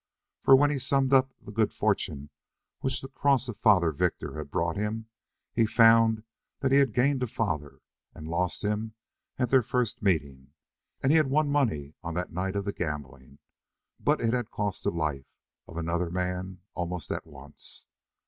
For when he summed up the good fortune which the cross of Father Victor had brought him, he found that he had gained a father, and lost him at their first meeting; and he had won money on that night of the gambling, but it had cost the life of another man almost at once.